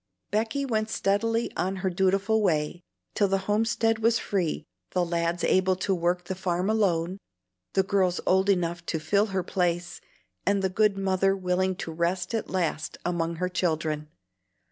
Becky went steadily on her dutiful way, till the homestead was free, the lads able to work the farm alone, the girls old enough to fill her place, and the good mother willing to rest at last among her children.